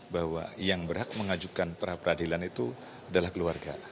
bahwa yang berhak mengajukan pra peradilan itu adalah keluarga